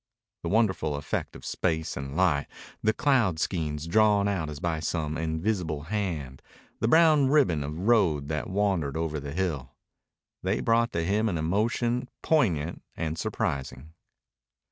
The wonderful effect of space and light, the cloud skeins drawn out as by some invisible hand, the brown ribbon of road that wandered over the hill: they brought to him an emotion poignant and surprising.